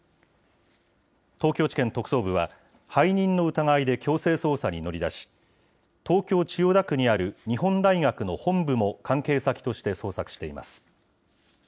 東京地検特捜部は、背任の疑いで強制捜査に乗り出し、東京・千代田区にある日本大学の本部も関係先として捜索しています。